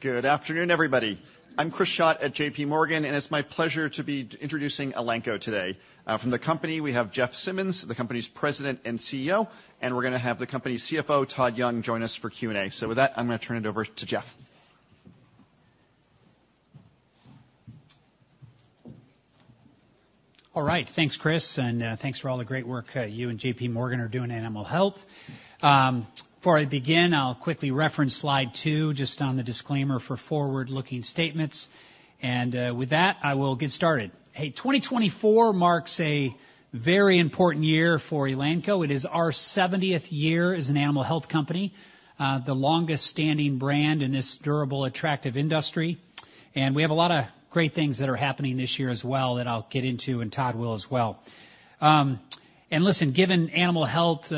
Good afternoon, everybody. I'm Chris Schott at J.P. Morgan, and it's my pleasure to be introducing Elanco today. From the company, we have Jeff Simmons, the company's President and CEO, and we're gonna have the company's CFO, Todd Young, join us for Q&A. With that, I'm gonna turn it over to Jeff. All right, thanks, Chris, and thanks for all the great work you and J.P. Morgan are doing in animal health. Before I begin, I'll quickly reference slide 2, just on the disclaimer for forward-looking statements, and with that, I will get started. Hey, 2024 marks a very important year for Elanco. It is our seventieth year as an animal health company, the longest-standing brand in this durable, attractive industry. And we have a lot of great things that are happening this year as well, that I'll get into, and Todd will as well. And listen, given animal health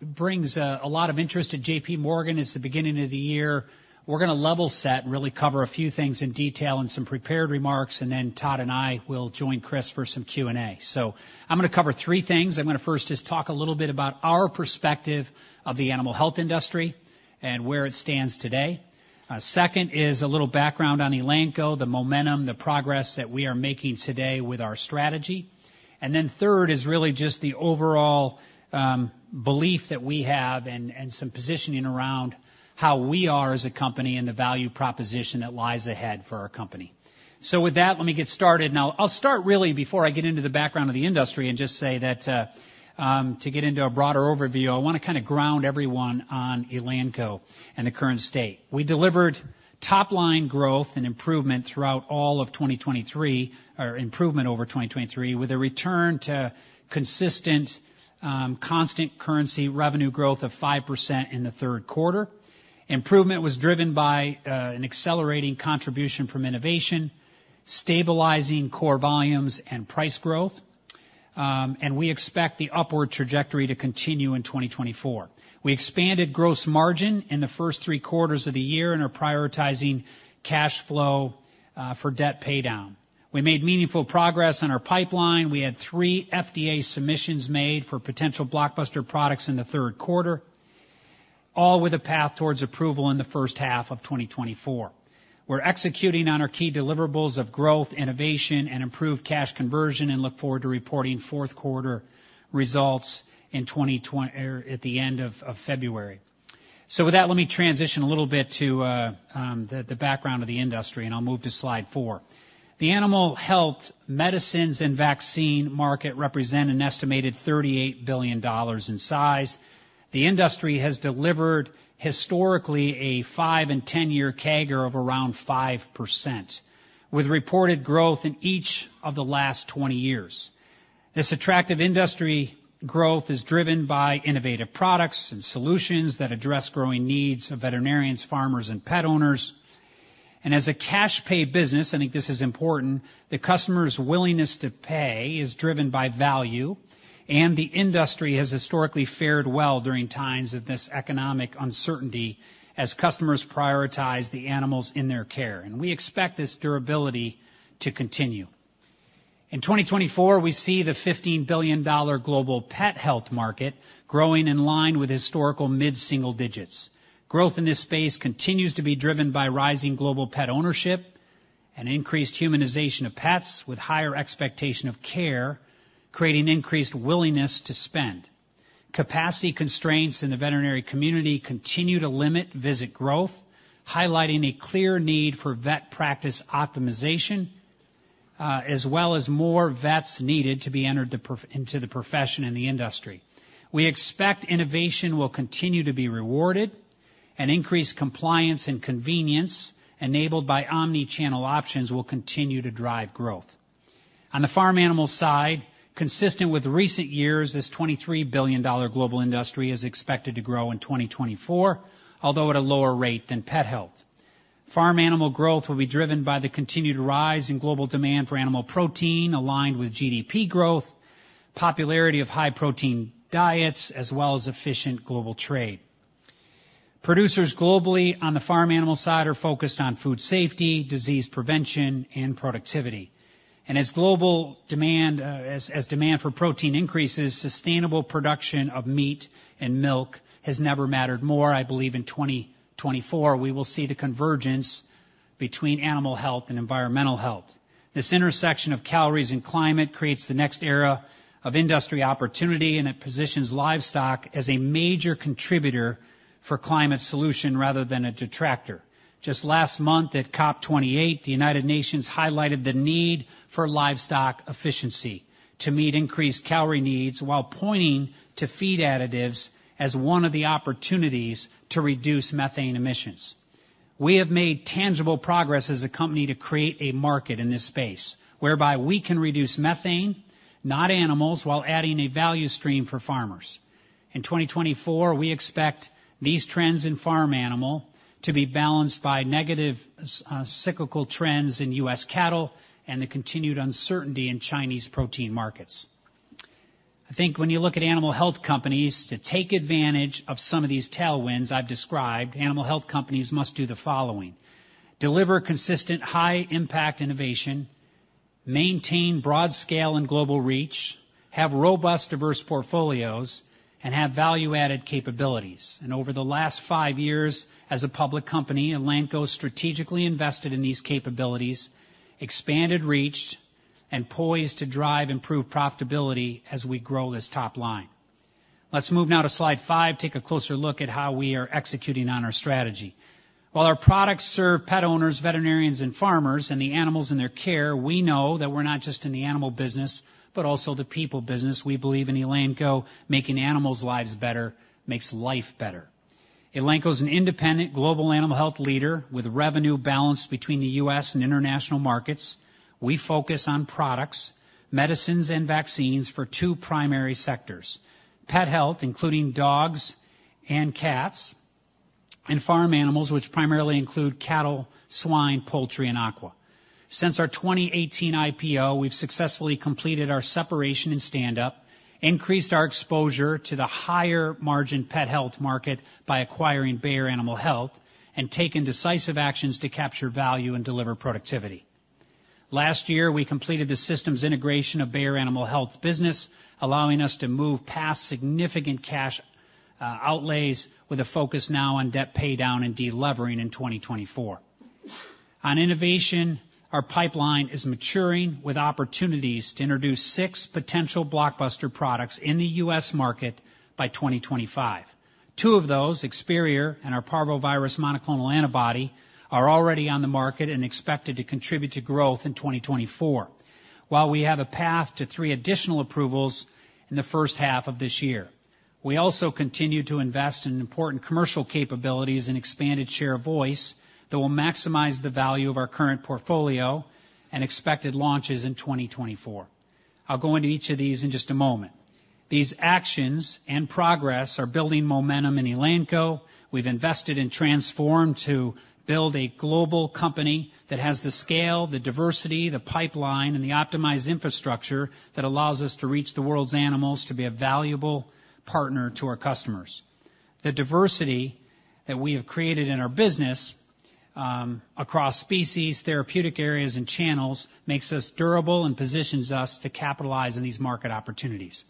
brings a lot of interest to J.P. Morgan, it's the beginning of the year, we're gonna level set and really cover a few things in detail and some prepared remarks, and then Todd and I will join Chris for some Q&A. So I'm gonna cover three things. I'm gonna first just talk a little bit about our perspective of the animal health industry and where it stands today. Second is a little background on Elanco, the momentum, the progress that we are making today with our strategy. And then third is really just the overall belief that we have and some positioning around how we are as a company and the value proposition that lies ahead for our company. So with that, let me get started. Now, I'll start really before I get into the background of the industry and just say that to get into a broader overview, I wanna kind of ground everyone on Elanco and the current state. We delivered top-line growth and improvement throughout all of 2023... or improvement over 2023, with a return to consistent, constant currency revenue growth of 5% in the third quarter. Improvement was driven by, an accelerating contribution from innovation, stabilizing core volumes and price growth, and we expect the upward trajectory to continue in 2024. We expanded gross margin in the first three quarters of the year and are prioritizing cash flow, for debt paydown. We made meaningful progress on our pipeline. We had 3 FDA submissions made for potential blockbuster products in the third quarter, all with a path towards approval in the first half of 2024. We're executing on our key deliverables of growth, innovation, and improved cash conversion, and look forward to reporting fourth quarter results in twenty twenty..., at the end of February. So with that, let me transition a little bit to the background of the industry, and I'll move to slide 4. The animal health, medicines, and vaccine market represent an estimated $38 billion in size. The industry has delivered historically a 5- and 10-year CAGR of around 5%, with reported growth in each of the last 20 years. This attractive industry growth is driven by innovative products and solutions that address growing needs of veterinarians, farmers, and pet owners. And as a cash pay business, I think this is important, the customer's willingness to pay is driven by value, and the industry has historically fared well during times of this economic uncertainty, as customers prioritize the animals in their care, and we expect this durability to continue. In 2024, we see the $15 billion global pet health market growing in line with historical mid-single digits. Growth in this space continues to be driven by rising global pet ownership and increased humanization of pets with higher expectation of care, creating increased willingness to spend. Capacity constraints in the veterinary community continue to limit visit growth, highlighting a clear need for vet practice optimization, as well as more vets needed to be entered into the profession and the industry. We expect innovation will continue to be rewarded, and increased compliance and convenience, enabled by omni-channel options, will continue to drive growth. On the farm animal side, consistent with recent years, this $23 billion global industry is expected to grow in 2024, although at a lower rate than pet health. Farm animal growth will be driven by the continued rise in global demand for animal protein, aligned with GDP growth, popularity of high-protein diets, as well as efficient global trade. Producers globally, on the farm animal side, are focused on food safety, disease prevention, and productivity. And as global demand, as demand for protein increases, sustainable production of meat and milk has never mattered more. I believe in 2024, we will see the convergence between animal health and environmental health. This intersection of calories and climate creates the next era of industry opportunity, and it positions livestock as a major contributor for climate solution rather than a detractor. Just last month, at COP 28, the United Nations highlighted the need for livestock efficiency to meet increased calorie needs, while pointing to feed additives as one of the opportunities to reduce methane emissions. We have made tangible progress as a company to create a market in this space, whereby we can reduce methane, not animals, while adding a value stream for farmers. In 2024, we expect these trends in farm animal to be balanced by negative, cyclical trends in U.S. cattle and the continued uncertainty in Chinese protein markets. I think when you look at animal health companies, to take advantage of some of these tailwinds I've described, animal health companies must do the following: deliver consistent, high-impact innovation.... maintain broad scale and global reach, have robust, diverse portfolios, and have value-added capabilities. And over the last five years as a public company, Elanco strategically invested in these capabilities, expanded reach, and poised to drive improved profitability as we grow this top line. Let's move now to slide 5, take a closer look at how we are executing on our strategy. While our products serve pet owners, veterinarians, and farmers, and the animals in their care, we know that we're not just in the animal business, but also the people business. We believe in Elanco, making animals' lives better, makes life better. Elanco is an independent global animal health leader with revenue balanced between the U.S. and international markets. We focus on products, medicines, and vaccines for two primary sectors: pet health, including dogs and cats, and farm animals, which primarily include cattle, swine, poultry, and aqua. Since our 2018 IPO, we've successfully completed our separation and stand up, increased our exposure to the higher margin pet health market by acquiring Bayer Animal Health, and taken decisive actions to capture value and deliver productivity. Last year, we completed the systems integration of Bayer Animal Health business, allowing us to move past significant cash outlays with a focus now on debt paydown and delevering in 2024. On innovation, our pipeline is maturing with opportunities to introduce six potential blockbuster products in the US market by 2025. Two of those, Experior and our parvovirus monoclonal antibody, are already on the market and expected to contribute to growth in 2024, while we have a path to three additional approvals in the first half of this year. We also continue to invest in important commercial capabilities and expanded share of voice that will maximize the value of our current portfolio and expected launches in 2024. I'll go into each of these in just a moment. These actions and progress are building momentum in Elanco. We've invested in transform to build a global company that has the scale, the diversity, the pipeline, and the optimized infrastructure that allows us to reach the world's animals to be a valuable partner to our customers. The diversity that we have created in our business, across species, therapeutic areas, and channels, makes us durable and positions us to capitalize on these market opportunities.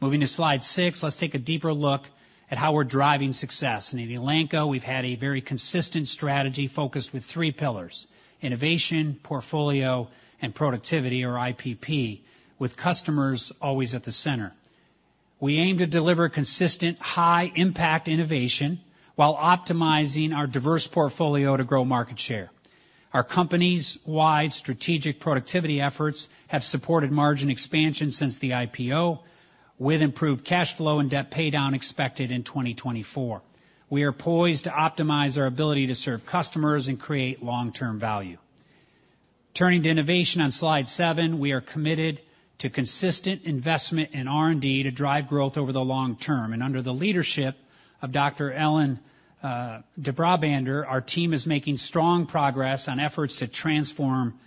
Moving to slide six, let's take a deeper look at how we're driving success. In Elanco, we've had a very consistent strategy focused with three pillars, innovation, portfolio, and productivity, or IPP, with customers always at the center. We aim to deliver consistent, high-impact innovation while optimizing our diverse portfolio to grow market share. Our company's wide strategic productivity efforts have supported margin expansion since the IPO, with improved cash flow and debt paydown expected in 2024. We are poised to optimize our ability to serve customers and create long-term value. Turning to innovation on slide 7, we are committed to consistent investment in R&D to drive growth over the long term. Under the leadership of Dr. Ellen de Brabander, our team is making strong progress on efforts to transform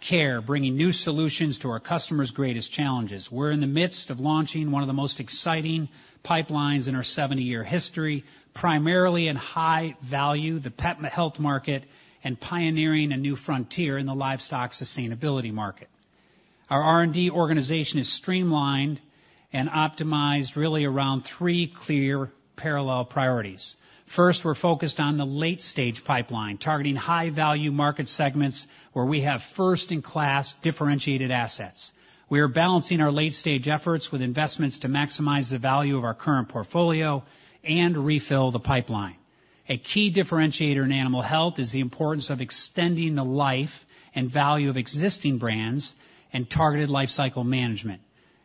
care, bringing new solutions to our customers' greatest challenges. We're in the midst of launching one of the most exciting pipelines in our 70-year history, primarily in high value, the pet and the health market, and pioneering a new frontier in the livestock sustainability market. Our R&D organization is streamlined and optimized really around three clear parallel priorities. First, we're focused on the late-stage pipeline, targeting high-value market segments where we have first-in-class differentiated assets. We are balancing our late-stage efforts with investments to maximize the value of our current portfolio and refill the pipeline. A key differentiator in animal health is the importance of extending the life and value of existing brands and targeted lifecycle management.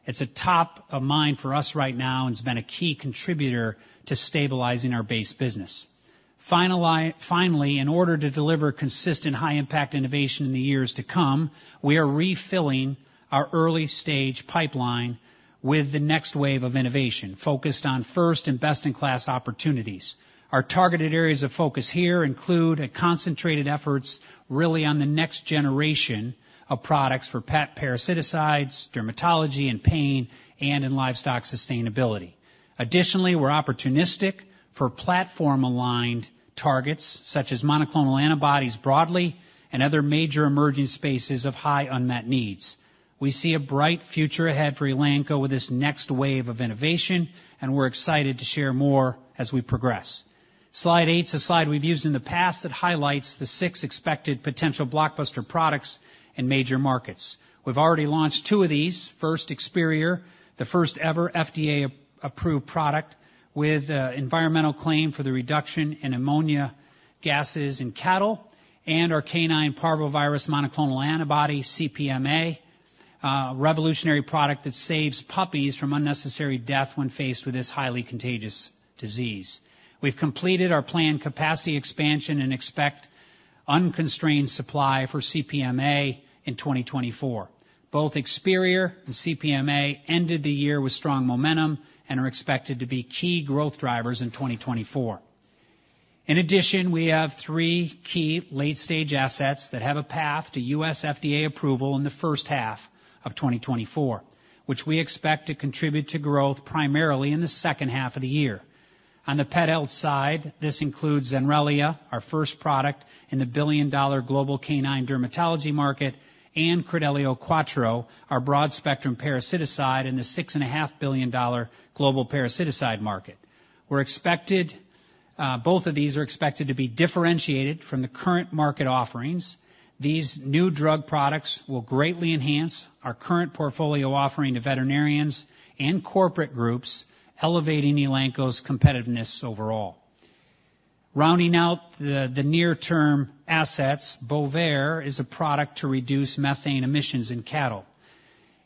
It's a top of mind for us right now, and it's been a key contributor to stabilizing our base business. Finally, in order to deliver consistent, high-impact innovation in the years to come, we are refilling our early-stage pipeline with the next wave of innovation, focused on first and best-in-class opportunities. Our targeted areas of focus here include a concentrated efforts, really on the next generation of products for pet parasiticides, dermatology and pain, and in livestock sustainability. Additionally, we're opportunistic for platform-aligned targets, such as monoclonal antibodies broadly and other major emerging spaces of high unmet needs. We see a bright future ahead for Elanco with this next wave of innovation, and we're excited to share more as we progress. Slide 8 is a slide we've used in the past that highlights the six expected potential blockbuster products in major markets. We've already launched two of these. First, Experior, the first ever FDA-approved product with environmental claim for the reduction in ammonia gases in cattle, and our canine parvovirus monoclonal antibody, CPMA, revolutionary product that saves puppies from unnecessary death when faced with this highly contagious disease. We've completed our planned capacity expansion and expect unconstrained supply for CPMA in 2024. Both Experior and CPMA ended the year with strong momentum and are expected to be key growth drivers in 2024. In addition, we have three key late-stage assets that have a path to US FDA approval in the first half of 2024, which we expect to contribute to growth primarily in the second half of the year.... On the pet health side, this includes Zenrelia, our first product in the billion-dollar global canine dermatology market, and Credelio Quattro, our broad-spectrum parasiticide in the $6.5 billion global parasiticide market. We're expected. Both of these are expected to be differentiated from the current market offerings. These new drug products will greatly enhance our current portfolio offering to veterinarians and corporate groups, elevating Elanco's competitiveness overall. Rounding out the near-term assets, Bovaer is a product to reduce methane emissions in cattle.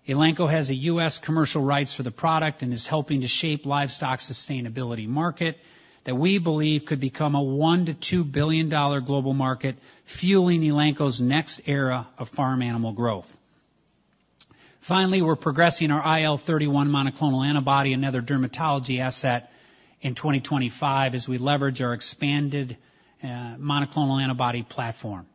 Elanco has U.S. commercial rights for the product and is helping to shape livestock sustainability market, that we believe could become a $1-$2 billion global market, fueling Elanco's next era of farm animal growth. Finally, we're progressing our IL-31 monoclonal antibody, another dermatology asset, in 2025, as we leverage our expanded monoclonal antibody platform.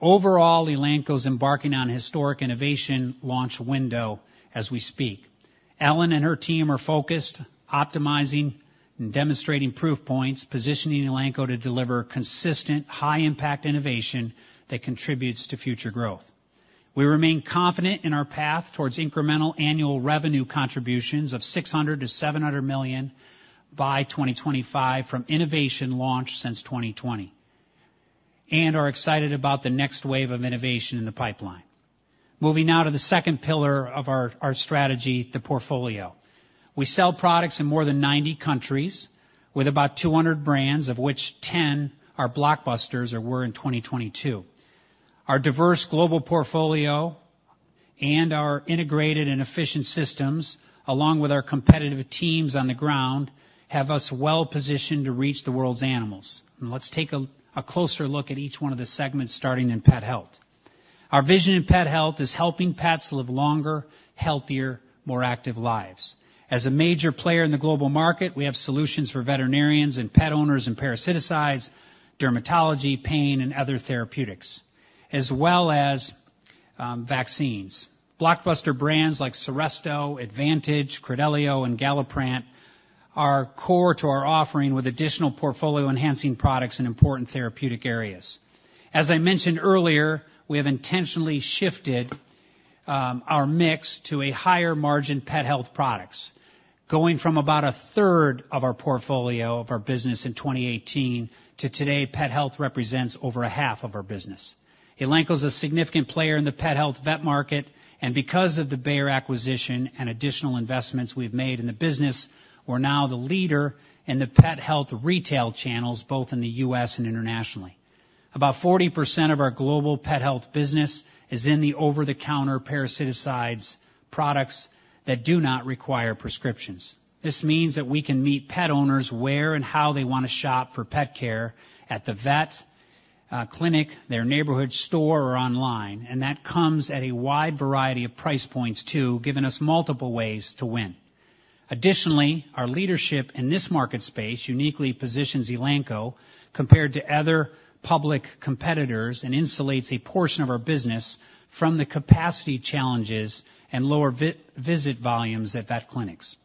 Overall, Elanco's embarking on a historic innovation launch window as we speak. Ellen and her team are focused, optimizing and demonstrating proof points, positioning Elanco to deliver consistent, high-impact innovation that contributes to future growth. We remain confident in our path towards incremental annual revenue contributions of $600 million-$700 million by 2025 from innovation launched since 2020, and are excited about the next wave of innovation in the pipeline. Moving now to the second pillar of our strategy, the portfolio. We sell products in more than 90 countries, with about 200 brands, of which 10 are blockbusters or were in 2022. Our diverse global portfolio and our integrated and efficient systems, along with our competitive teams on the ground, have us well positioned to reach the world's animals. Let's take a closer look at each one of the segments, starting in pet health. Our vision in pet health is helping pets live longer, healthier, more active lives. As a major player in the global market, we have solutions for veterinarians and pet owners in parasiticides, dermatology, pain, and other therapeutics, as well as vaccines. Blockbuster brands like Simparica, Advantage, Credelio, and Galliprant are core to our offering, with additional portfolio-enhancing products in important therapeutic areas. As I mentioned earlier, we have intentionally shifted our mix to a higher margin pet health products, going from about a third of our portfolio of our business in 2018, to today, pet health represents over a half of our business. Elanco is a significant player in the pet health vet market, and because of the Bayer acquisition and additional investments we've made in the business, we're now the leader in the pet health retail channels, both in the U.S. and internationally. About 40% of our global pet health business is in the over-the-counter parasiticides products that do not require prescriptions. This means that we can meet pet owners where and how they want to shop for pet care, at the vet, clinic, their neighborhood store, or online, and that comes at a wide variety of price points, too, giving us multiple ways to win. Additionally, our leadership in this market space uniquely positions Elanco compared to other public competitors, and insulates a portion of our business from the capacity challenges and lower visit volumes at vet clinics.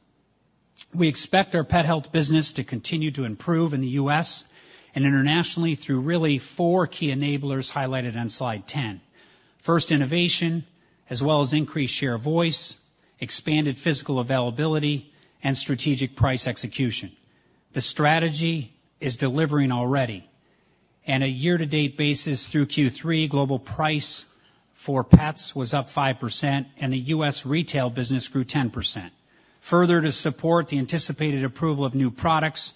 We expect our pet health business to continue to improve in the U.S. and internationally through really four key enablers highlighted on Slide 10. First, innovation, as well as increased share of voice, expanded physical availability, and strategic price execution. The strategy is delivering already. On a year-to-date basis through Q3, global price for pets was up 5%, and the U.S. retail business grew 10%. Further, to support the anticipated approval of new products,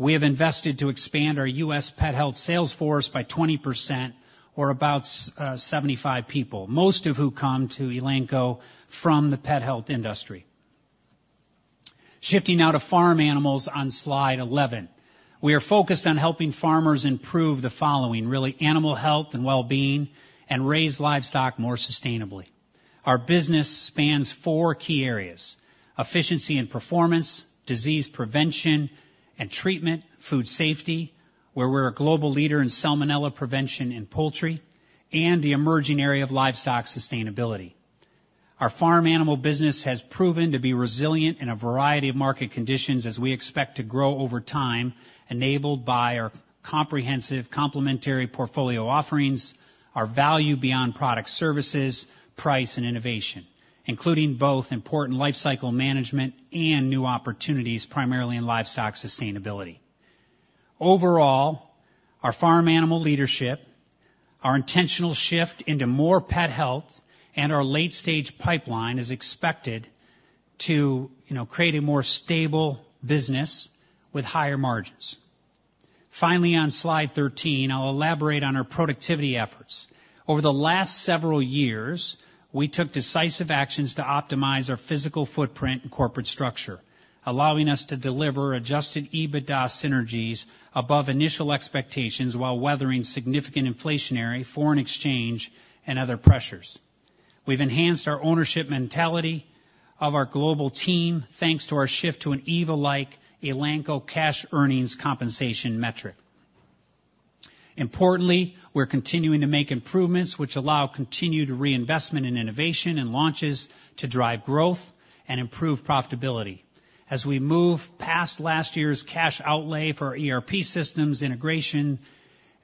we have invested to expand our U.S. pet health sales force by 20%, or about 75 people, most of who come to Elanco from the pet health industry. Shifting now to farm animals on Slide 11. We are focused on helping farmers improve the following, really, animal health and well-being, and raise livestock more sustainably. Our business spans four key areas: efficiency and performance, disease prevention and treatment, food safety, where we're a global leader in salmonella prevention in poultry, and the emerging area of livestock sustainability. Our farm animal business has proven to be resilient in a variety of market conditions, as we expect to grow over time, enabled by our comprehensive complementary portfolio offerings, our value beyond product services, price and innovation, including both important lifecycle management and new opportunities, primarily in livestock sustainability. Overall, our farm animal leadership, our intentional shift into more pet health, and our late-stage pipeline is expected to, you know, create a more stable business with higher margins. Finally, on Slide 13, I'll elaborate on our productivity efforts. Over the last several years, we took decisive actions to optimize our physical footprint and corporate structure, allowing us to deliver adjusted EBITDA synergies above initial expectations while weathering significant inflationary, foreign exchange, and other pressures. We've enhanced our ownership mentality of our global team, thanks to our shift to an EVA-like Elanco Cash Earnings compensation metric.... Importantly, we're continuing to make improvements which allow continued reinvestment in innovation and launches to drive growth and improve profitability. As we move past last year's cash outlay for our ERP systems integration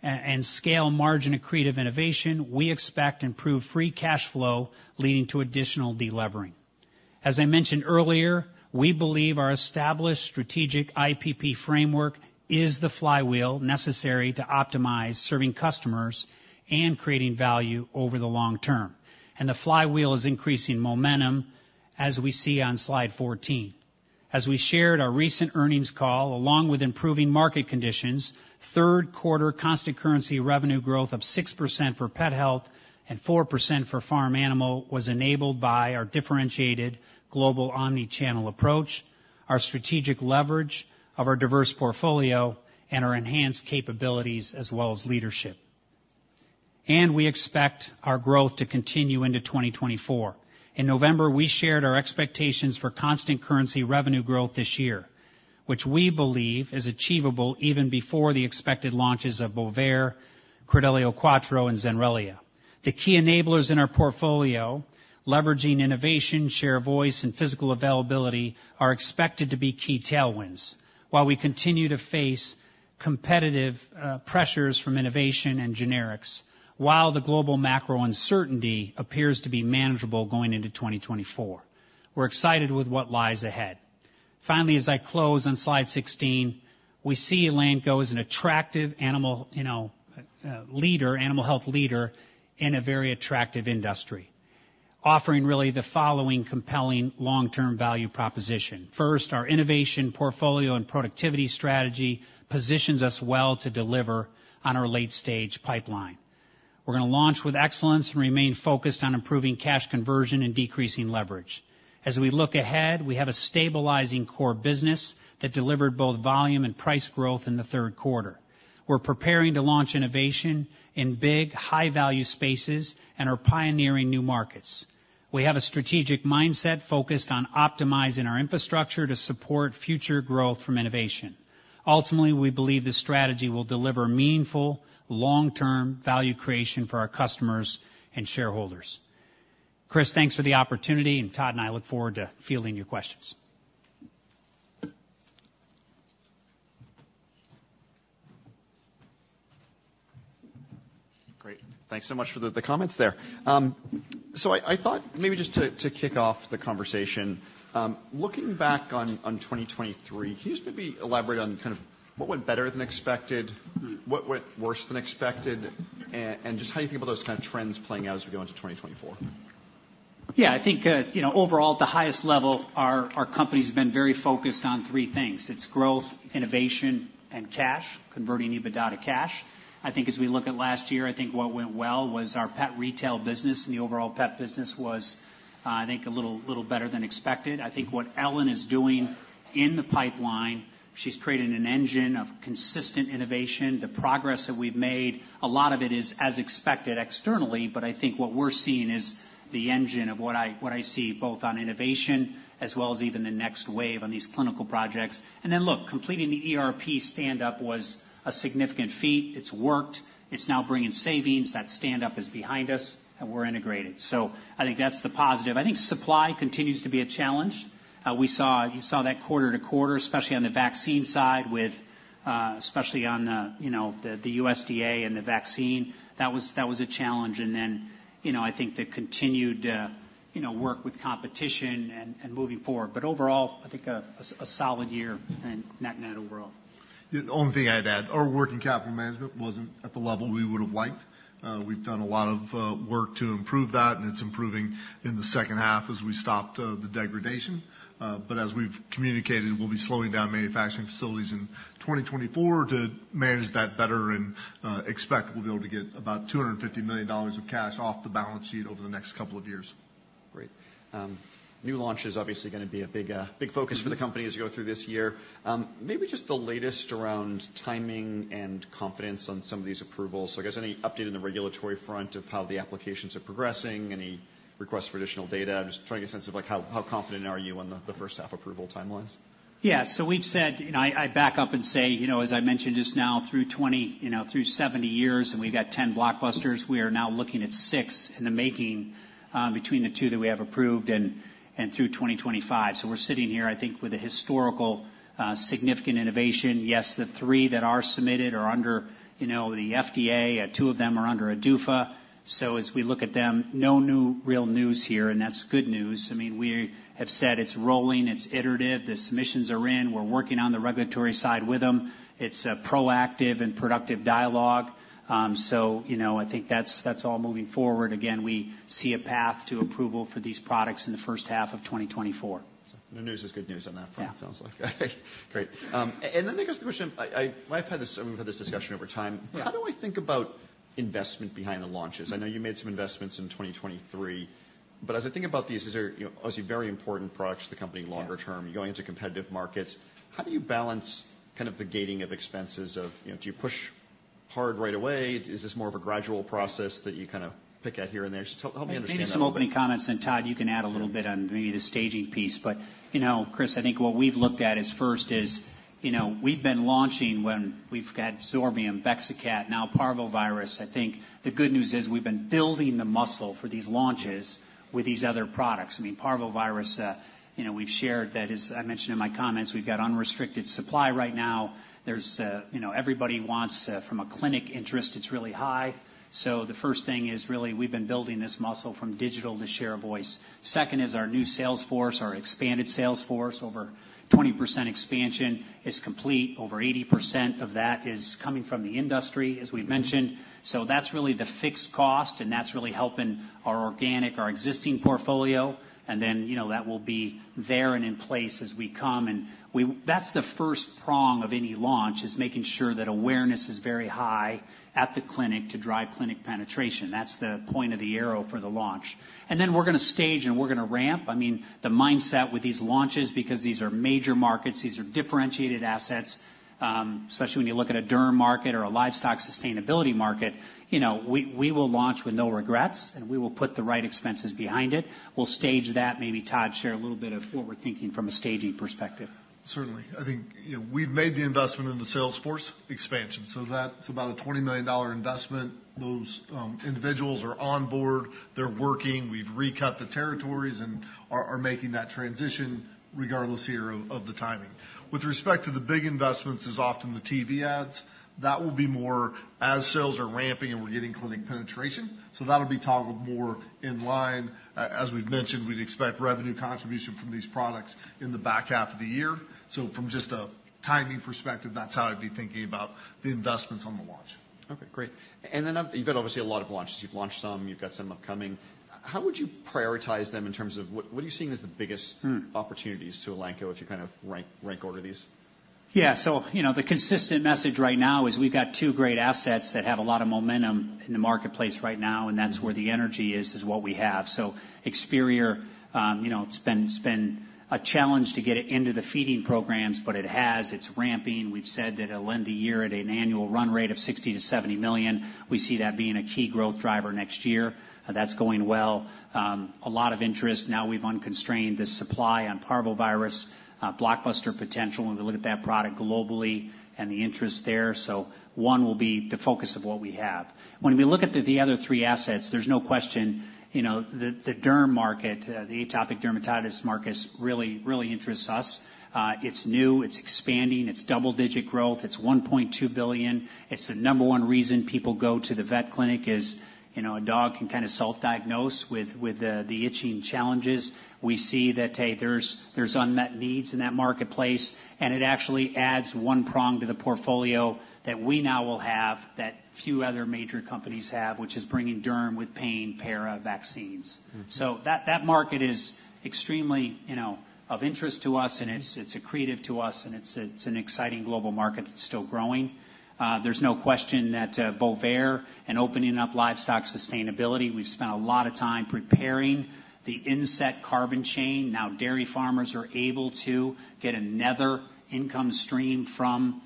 and scale margin accretive innovation, we expect improved free cash flow, leading to additional delevering. As I mentioned earlier, we believe our established strategic IPP framework is the flywheel necessary to optimize serving customers and creating value over the long term, and the flywheel is increasing momentum, as we see on slide 14. As we shared our recent earnings call, along with improving market conditions, third quarter constant currency revenue growth of 6% for pet health and 4% for farm animal, was enabled by our differentiated global omni-channel approach, our strategic leverage of our diverse portfolio, and our enhanced capabilities as well as leadership. We expect our growth to continue into 2024. In November, we shared our expectations for constant currency revenue growth this year, which we believe is achievable even before the expected launches of Bovaer, Credelio Quattro, and Zenrelia. The key enablers in our portfolio, leveraging innovation, share of voice, and physical availability, are expected to be key tailwinds, while we continue to face competitive pressures from innovation and generics, while the global macro uncertainty appears to be manageable going into 2024. We're excited with what lies ahead. Finally, as I close on slide 16, we see Elanco as an attractive animal, you know, leader, animal health leader in a very attractive industry, offering really the following compelling long-term value proposition: First, our innovation portfolio and productivity strategy positions us well to deliver on our late-stage pipeline. We're gonna launch with excellence and remain focused on improving cash conversion and decreasing leverage. As we look ahead, we have a stabilizing core business that delivered both volume and price growth in the third quarter. We're preparing to launch innovation in big, high-value spaces and are pioneering new markets. We have a strategic mindset focused on optimizing our infrastructure to support future growth from innovation. Ultimately, we believe this strategy will deliver meaningful, long-term value creation for our customers and shareholders. Chris, thanks for the opportunity, and Todd and I look forward to fielding your questions. Great. Thanks so much for the comments there. So I thought maybe just to kick off the conversation, looking back on 2023, can you just maybe elaborate on kind of what went better than expected, what went worse than expected, and just how you think about those kind of trends playing out as we go into 2024? Yeah, I think, you know, overall, at the highest level, our company's been very focused on three things: its growth, innovation, and cash, converting EBITDA to cash. I think as we look at last year, I think what went well was our pet retail business, and the overall pet business was, I think a little better than expected. I think what Ellen is doing in the pipeline, she's creating an engine of consistent innovation. The progress that we've made, a lot of it is as expected externally, but I think what we're seeing is the engine of what I see, both on innovation as well as even the next wave on these clinical projects. And then, look, completing the ERP stand-up was a significant feat. It's worked. It's now bringing savings. That stand-up is behind us, and we're integrated. So I think that's the positive. I think supply continues to be a challenge. We saw... You saw that quarter to quarter, especially on the vaccine side, with, especially on, you know, the, the USDA and the vaccine. That was, that was a challenge, and then, you know, I think the continued, you know, work with competition and, and moving forward. But overall, I think a solid year and net-net overall. The only thing I'd add, our working capital management wasn't at the level we would have liked. We've done a lot of work to improve that, and it's improving in the second half as we stopped the degradation. But as we've communicated, we'll be slowing down manufacturing facilities in 2024 to manage that better and expect we'll be able to get about $250 million of cash off the balance sheet over the next couple of years. Great. New launch is obviously gonna be a big, big focus for the company as you go through this year. Maybe just the latest around timing and confidence on some of these approvals. So I guess any update on the regulatory front of how the applications are progressing, any requests for additional data? I'm just trying to get a sense of, like, how confident are you on the first half approval timelines? Yeah. So we've said... You know, I back up and say, you know, as I mentioned just now, through 20, you know, through 70 years, and we've got 10 blockbusters. We are now looking at 6 in the making, between the 2 that we have approved and through 2025. So we're sitting here, I think, with a historical, significant innovation. Yes, the 3 that are submitted are under the FDA, 2 of them are under ADUFA. So as we look at them, no new real news here, and that's good news. I mean, we have said it's rolling, it's iterative, the submissions are in, we're working on the regulatory side with them. It's a proactive and productive dialogue. So, you know, I think that's all moving forward. Again, we see a path to approval for these products in the first half of 2024. The news is good news on that front. Yeah It sounds like. Great. And then I guess the question... I've had this, we've had this discussion over time. Yeah. How do I think about investment behind the launches? I know you made some investments in 2023, but as I think about these, these are, you know, obviously very important products for the company longer term. Yeah. You're going into competitive markets. How do you balance kind of the gating of expenses of, you know... Do you push... hard right away? Is this more of a gradual process that you kind of pick at here and there? Just help, help me understand that. Maybe some opening comments, and Todd, you can add a little bit on maybe the staging piece. But, you know, Chris, I think what we've looked at is first is, you know, we've been launching when we've got Zorbium, Bexacat, now Parvovirus. I think the good news is we've been building the muscle for these launches with these other products. I mean, Parvovirus, you know, we've shared that, as I mentioned in my comments, we've got unrestricted supply right now. There's, you know, everybody wants, from a clinic interest, it's really high. So the first thing is really we've been building this muscle from digital to share of voice. Second is our new sales force, our expanded sales force. Over 20% expansion is complete. Over 80% of that is coming from the industry, as we've mentioned. So that's really the fixed cost, and that's really helping our organic, our existing portfolio. And then, you know, that will be there and in place as we come. And we. That's the first prong of any launch, is making sure that awareness is very high at the clinic to drive clinic penetration. That's the point of the arrow for the launch. And then we're gonna stage, and we're gonna ramp. I mean, the mindset with these launches, because these are major markets, these are differentiated assets, especially when you look at a derm market or a livestock sustainability market, you know, we, we will launch with no regrets, and we will put the right expenses behind it. We'll stage that. Maybe Todd, share a little bit of what we're thinking from a staging perspective. Certainly. I think, you know, we've made the investment in the sales force expansion, so that's about a $20 million investment. Those individuals are on board, they're working. We've recut the territories and are making that transition regardless of the timing. With respect to the big investments, is often the TV ads. That will be more as sales are ramping and we're getting clinic penetration, so that'll be toggled more in line. As we've mentioned, we'd expect revenue contribution from these products in the back half of the year. So from just a timing perspective, that's how I'd be thinking about the investments on the launch. Okay, great. And then, you've had obviously a lot of launches. You've launched some, you've got some upcoming. How would you prioritize them in terms of what, what are you seeing as the biggest- Hmm... opportunities to Elanco if you kind of rank order these? Yeah, so you know, the consistent message right now is we've got two great assets that have a lot of momentum in the marketplace right now, and that's where the energy is, is what we have. So Experior, you know, it's been a challenge to get it into the feeding programs, but it has, it's ramping. We've said that it'll end the year at an annual run rate of $60 million-$70 million. We see that being a key growth driver next year. That's going well. A lot of interest. Now we've unconstrained the supply on Parvovirus, blockbuster potential when we look at that product globally and the interest there. So one will be the focus of what we have. When we look at the other three assets, there's no question, you know, the derm market, the atopic dermatitis market, really interests us. It's new, it's expanding, it's double-digit growth. It's $1.2 billion. It's the number one reason people go to the vet clinic is, you know, a dog can kind of self-diagnose with the itching challenges. We see that, hey, there's unmet needs in that marketplace, and it actually adds one prong to the portfolio that we now will have, that few other major companies have, which is bringing derm with pain, para, vaccines. Mm-hmm. So that, that market is extremely, you know, of interest to us, and it's, it's accretive to us, and it's, it's an exciting global market that's still growing. There's no question that, Bovaer and opening up livestock sustainability, we've spent a lot of time preparing the inset carbon chain. Now dairy farmers are able to get another income stream from,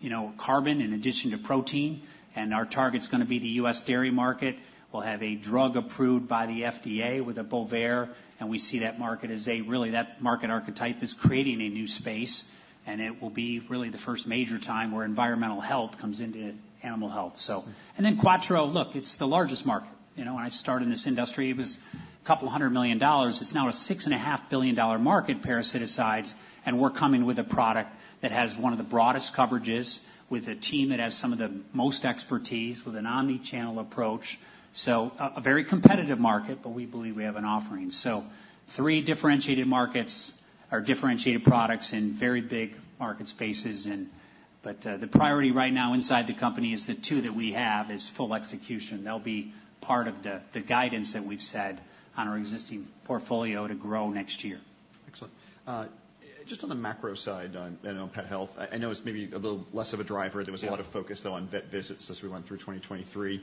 you know, carbon in addition to protein, and our target's gonna be the U.S. dairy market. We'll have a drug approved by the FDA with the Bovaer, and we see that market as a really... That market archetype is creating a new space, and it will be really the first major time where environmental health comes into animal health, so. And then Quattro, look, it's the largest market. You know, when I started in this industry, it was $200 million. It's now a $6.5 billion market, parasiticides, and we're coming with a product that has one of the broadest coverages, with a team that has some of the most expertise, with an omni-channel approach. So a very competitive market, but we believe we have an offering. So three differentiated markets or differentiated products in very big market spaces and... But the priority right now inside the company is the two that we have, is full execution. They'll be part of the guidance that we've set on our existing portfolio to grow next year. Excellent. Just on the macro side, you know, pet health, I know it's maybe a little less of a driver. Yeah. There was a lot of focus, though, on vet visits as we went through 2023.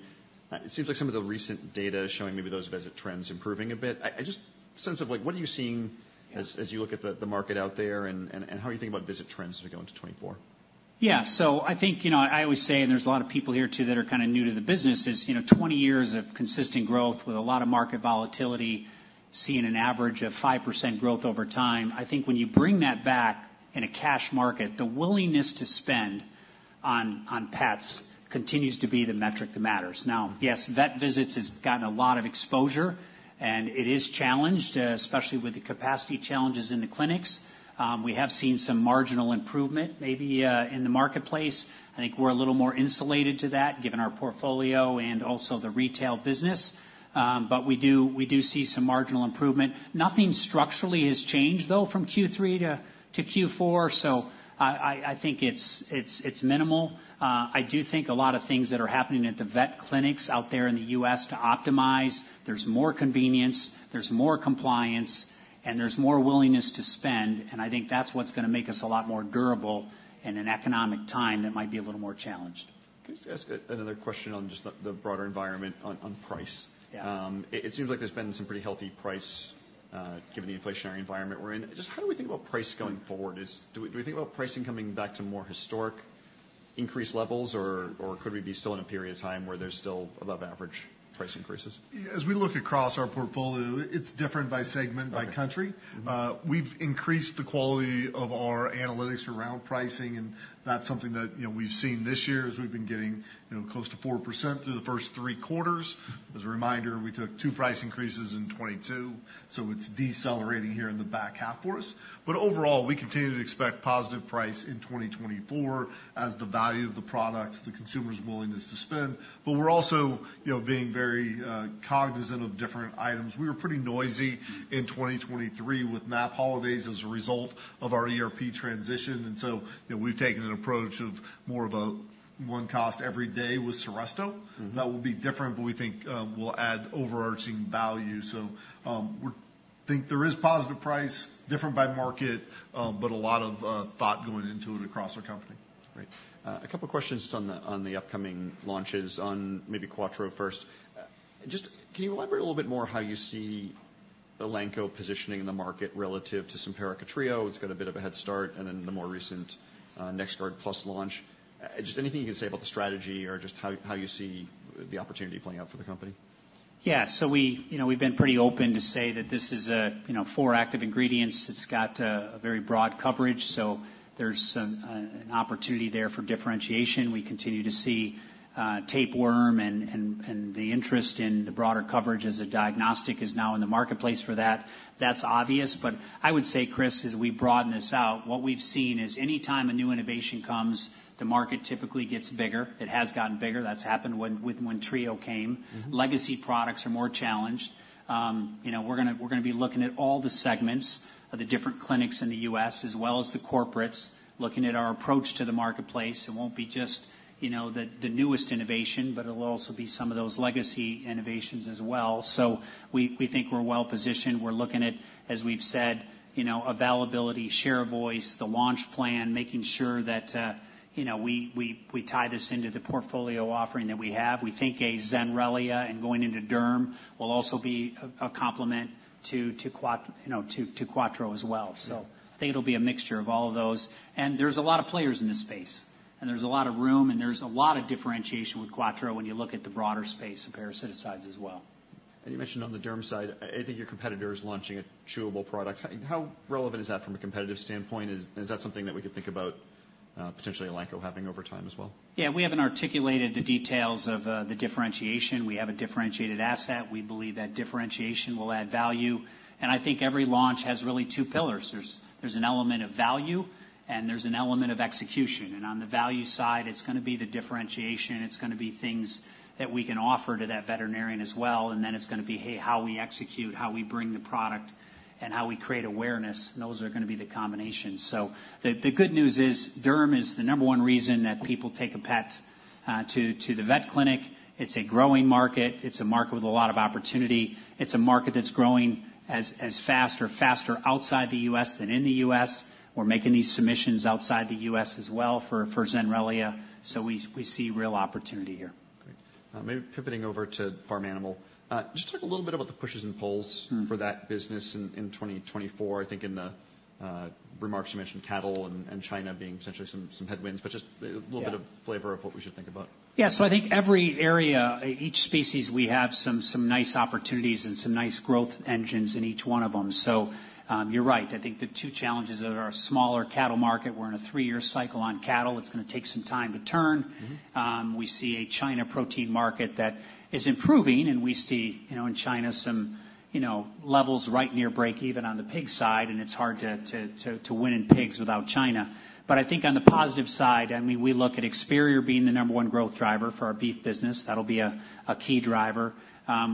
It seems like some of the recent data is showing maybe those visit trends improving a bit. I just sense of like, what are you seeing? Yeah... as you look at the market out there, and how are you thinking about visit trends as we go into 2024? Yeah. So I think, you know, I always say, and there's a lot of people here, too, that are kind of new to the business, is, you know, 20 years of consistent growth with a lot of market volatility, seeing an average of 5% growth over time. I think when you bring that back in a cash market, the willingness to spend on, on pets continues to be the metric that matters. Now, yes, vet visits has gotten a lot of exposure, and it is challenged, especially with the capacity challenges in the clinics. We have seen some marginal improvement, maybe, in the marketplace. I think we're a little more insulated to that given our portfolio and also the retail business. But we do, we do see some marginal improvement. Nothing structurally has changed, though, from Q3 to Q4, so I think it's minimal. I do think a lot of things that are happening at the vet clinics out there in the US to optimize, there's more convenience, there's more compliance, and there's more willingness to spend, and I think that's what's gonna make us a lot more durable in an economic time that might be a little more challenged. Can I just ask another question on just the broader environment on price? Yeah. It seems like there's been some pretty healthy price, given the inflationary environment we're in, just how do we think about price going forward? Do we think about pricing coming back to more historic increased levels, or could we be still in a period of time where there's still above average price increases? As we look across our portfolio, it's different by segment. Okay. -by country. Mm-hmm. We've increased the quality of our analytics around pricing, and that's something that, you know, we've seen this year, as we've been getting, you know, close to 4% through the first three quarters. As a reminder, we took two price increases in 2022, so it's decelerating here in the back half for us. But overall, we continue to expect positive price in 2024, as the value of the products, the consumer's willingness to spend. But we're also, you know, being very, cognizant of different items. We were pretty noisy in 2023 with MAP holidays as a result of our ERP transition, and so, you know, we've taken an approach of more of a one cost every day with Seresto. Mm-hmm. That will be different, but we think will add overarching value. So, think there is positive price, different by market, but a lot of thought going into it across our company. Great. A couple questions just on the upcoming launches, on maybe Quattro first. Just, can you elaborate a little bit more how you see Elanco positioning in the market relative to Simparica Trio? It's got a bit of a head start, and then the more recent NexGard Plus launch. Just anything you can say about the strategy or just how you see the opportunity playing out for the company. Yeah. So we, you know, we've been pretty open to say that this is a, you know, four active ingredients. It's got a very broad coverage, so there's an opportunity there for differentiation. We continue to see tapeworm and the interest in the broader coverage as a diagnostic is now in the marketplace for that. That's obvious, but I would say, Chris, as we broaden this out, what we've seen is anytime a new innovation comes, the market typically gets bigger. It has gotten bigger. That's happened when Trio came. Mm-hmm. Legacy products are more challenged. You know, we're gonna, we're gonna be looking at all the segments of the different clinics in the US, as well as the corporates, looking at our approach to the marketplace. It won't be just, you know, the, the newest innovation, but it'll also be some of those legacy innovations as well. So we, we think we're well positioned. We're looking at, as we've said, you know, availability, share of voice, the launch plan, making sure that, you know, we, we, we tie this into the portfolio offering that we have. We think a Zenrelia and going into Derm will also be a, a complement to, to Quat-- you know, to, to Quattro as well. Yeah. I think it'll be a mixture of all of those. There's a lot of players in this space, and there's a lot of room, and there's a lot of differentiation with Quattro when you look at the broader space of parasiticides as well. You mentioned on the derm side, I think your competitor is launching a chewable product. How relevant is that from a competitive standpoint? Is that something that we could think about potentially Elanco having over time as well? Yeah, we haven't articulated the details of the differentiation. We have a differentiated asset. We believe that differentiation will add value, and I think every launch has really two pillars. There's, there's an element of value, and there's an element of execution, and on the value side, it's gonna be the differentiation, it's gonna be things that we can offer to that veterinarian as well, and then it's gonna be, hey, how we execute, how we bring the product, and how we create awareness, and those are gonna be the combinations. So the, the good news is, derm is the number one reason that people take a pet to, to the vet clinic. It's a growing market. It's a market with a lot of opportunity. It's a market that's growing as, as fast or faster outside the U.S. than in the U.S. We're making these submissions outside the U.S. as well for Zenrelia, so we see real opportunity here. Great. Maybe pivoting over to Farm Animal. Just talk a little bit about the pushes and pulls- Mm. -for that business in 2024. I think in the remarks, you mentioned cattle and China being essentially some headwinds, but just- Yeah... a little bit of flavor of what we should think about. Yeah, so I think every area, each species, we have some, some nice opportunities and some nice growth engines in each one of them. So, you're right. I think the two challenges are our smaller cattle market. We're in a three-year cycle on cattle. It's gonna take some time to turn. Mm-hmm. We see a China protein market that is improving, and we see, you know, in China, some, you know, levels right near break-even on the pig side, and it's hard to win in pigs without China. But I think on the positive side, I mean, we look at Experior being the number one growth driver for our beef business. That'll be a key driver.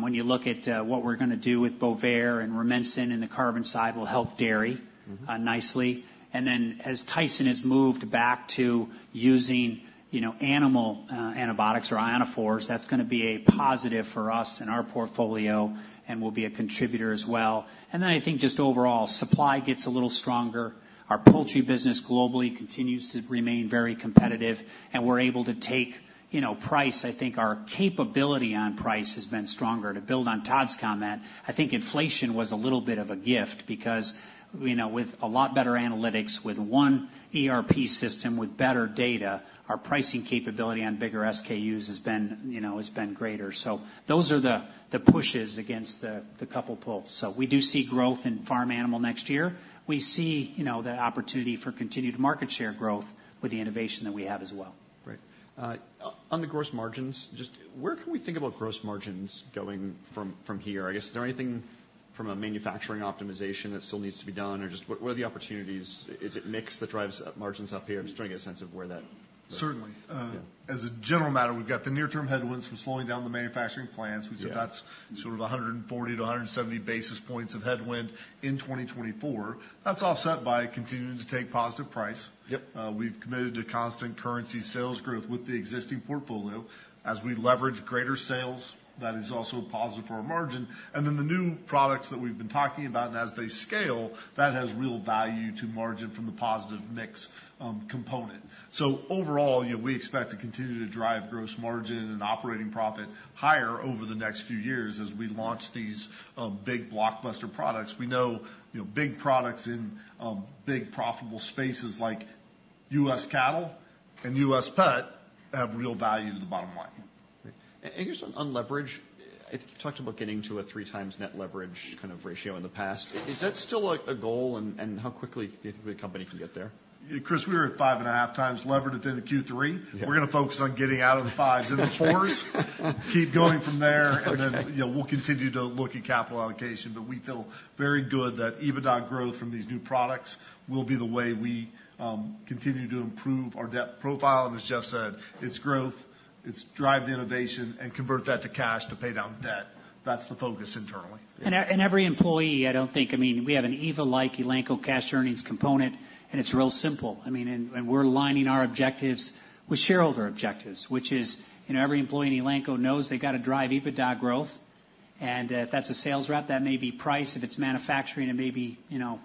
When you look at what we're gonna do with Bovaer and Rumensin and the carbon side will help dairy- Mm-hmm... nicely. And then, as Tyson has moved back to using, you know, animal, antibiotics or ionophores, that's gonna be a positive for us and our portfolio and will be a contributor as well. And then I think just overall, supply gets a little stronger. Our poultry business globally continues to remain very competitive, and we're able to take, you know, price. I think our capability on price has been stronger. To build on Todd's comment, I think inflation was a little bit of a gift because, you know, with a lot better analytics, with one ERP system, with better data, our pricing capability on bigger SKUs has been, you know, has been greater. So those are the pushes against the couple pulls. So we do see growth in farm animal next year. We see, you know, the opportunity for continued market share growth with the innovation that we have as well. Great. On the gross margins, just where can we think about gross margins going from here? I guess, is there anything from a manufacturing optimization that still needs to be done, or just what are the opportunities? Is it mix that drives margins up here? I'm just trying to get a sense of where that- Certainly. Yeah. As a general matter, we've got the near-term headwinds from slowing down the manufacturing plants. Yeah. We said that's sort of 140-170 basis points of headwind in 2024. That's offset by continuing to take positive price. Yep. We've committed to constant currency sales growth with the existing portfolio. As we leverage greater sales, that is also a positive for our margin. And then the new products that we've been talking about, and as they scale, that has real value to margin from the positive mix, component. So overall, you know, we expect to continue to drive gross margin and operating profit higher over the next few years as we launch these, big blockbuster products. We know, you know, big products in, big, profitable spaces like U.S. cattle and U.S. pet have real value to the bottom line. And just on leverage, I think you talked about getting to a 3x net leverage kind of ratio in the past. Is that still, like, a goal? And how quickly do you think the company can get there? Chris, we were at 5.5x levered at the end of Q3. Yeah. We're gonna focus on getting out of the fives and the fours. Keep going from there- Okay. And then, you know, we'll continue to look at capital allocation, but we feel very good that EBITDA growth from these new products will be the way we continue to improve our debt profile. And as Jeff said, it's growth, it's drive the innovation, and convert that to cash to pay down debt. That's the focus internally. Every employee, I don't think... I mean, we have an EVA-like Elanco Cash Earnings component, and it's real simple. I mean, we're aligning our objectives with shareholder objectives, which is, you know, every employee in Elanco knows they've got to drive EBITDA growth. And if that's a sales rep, that may be price. If it's manufacturing, it may be, you know,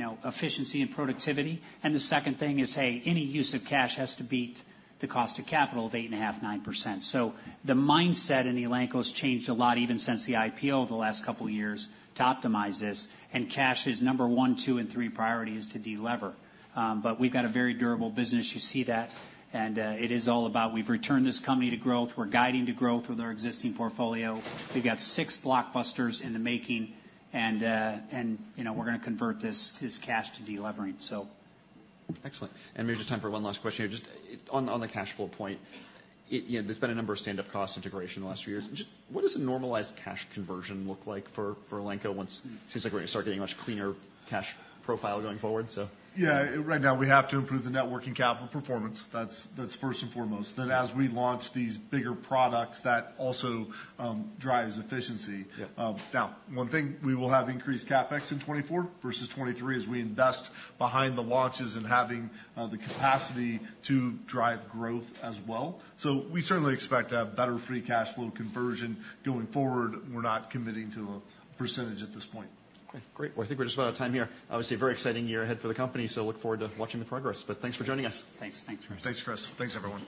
efficiency and productivity. And the second thing is, hey, any use of cash has to beat the cost of capital of 8.5%-9%. So the mindset in Elanco has changed a lot, even since the IPO the last couple of years, to optimize this. And cash is number one, two, and three priority is to delever. But we've got a very durable business. You see that, and it is all about we've returned this company to growth. We're guiding to growth with our existing portfolio. We've got six blockbusters in the making, and you know, we're gonna convert this cash to delevering, so. Excellent. Maybe just time for one last question here. Just on the cash flow point, you know, there's been a number of standalone cost integrations in the last few years. Just what does a normalized cash conversion look like for Elanco once it seems like we're going to start getting a much cleaner cash profile going forward, so? Yeah. Right now, we have to improve the net working capital performance. That's first and foremost. Yeah. Then, as we launch these bigger products, that also drives efficiency. Yeah. Now, one thing, we will have increased CapEx in 2024 versus 2023, as we invest behind the launches and having the capacity to drive growth as well. So we certainly expect to have better free cash flow conversion going forward. We're not committing to a percentage at this point. Okay, great. Well, I think we're just about out of time here. Obviously, a very exciting year ahead for the company, so look forward to watching the progress. But thanks for joining us. Thanks. Thanks, Chris. Thanks, Chris. Thanks, everyone.